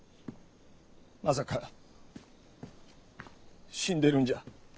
まさか死んでるんじゃ。